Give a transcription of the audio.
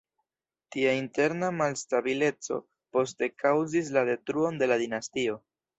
Tia interna malstabileco poste kaŭzis la detruon de la dinastio.